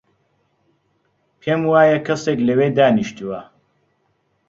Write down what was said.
پێم وایە کەسێک لەوێ دانیشتووە.